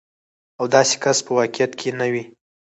او داسې کس په واقعيت کې نه وي.